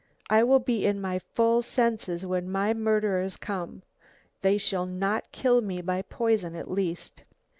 I will be in my full senses when my murderers come; they shall not kill me by poison at least.